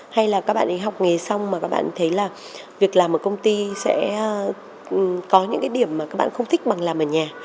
hay là các bạn ấy học nghề xong mà các bạn thấy là việc làm ở công ty sẽ có những cái điểm mà các bạn không thích bằng làm ở nhà